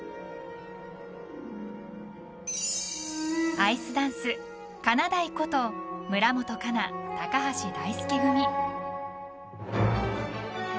アイスダンス、かなだいこと村元哉中・高橋大輔組。